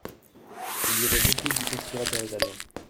Il y avait beaucoup du conspirateur italien.